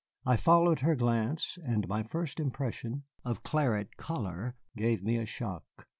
I followed her glance, and my first impression of claret color gave me a shock.